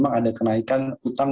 dengan tag tiktok ittv